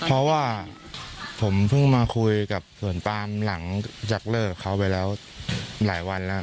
เพราะว่าผมเพิ่งมาคุยกับสวนปามหลังจากเลิกกับเขาไปแล้วหลายวันแล้ว